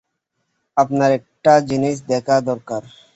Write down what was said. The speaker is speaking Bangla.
আপনার একটা জিনিস দেখা দরকার।